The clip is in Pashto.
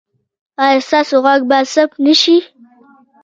ایا ستاسو غږ به ثبت نه شي؟